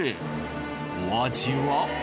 お味は？